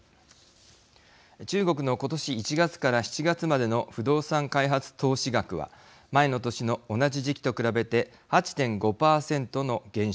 中国の今年１月から７月までの不動産開発投資額は前の年の同じ時期と比べて８．５％の減少。